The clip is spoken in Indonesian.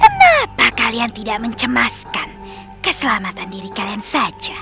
kenapa kalian tidak mencemaskan keselamatan diri kalian saja